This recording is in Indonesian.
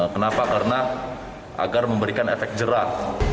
kenapa karena agar memberikan efek jerah